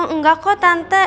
enggak kok tante